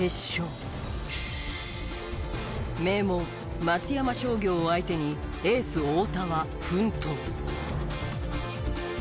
名門松山商業を相手にエース太田は奮闘。